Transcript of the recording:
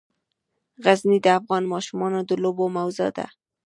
غزني د افغان ماشومانو د لوبو موضوع ده.